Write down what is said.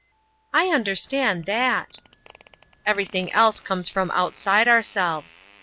"I understand that." "Everything else comes from outside ourselves.